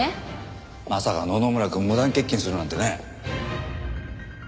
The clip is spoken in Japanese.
まさか野々村くん無断欠勤するなんてね。